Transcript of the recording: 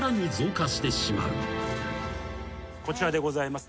こちらでございます。